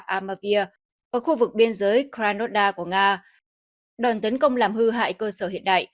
armavir ở khu vực biên giới kranoda của nga đoàn tấn công làm hư hại cơ sở hiện đại